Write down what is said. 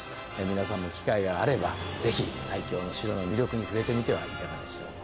皆さんも機会があれば是非最強の城の魅力に触れてみてはいかがでしょうか。